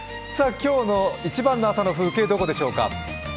今日の一番の朝の風景どこでしょうか？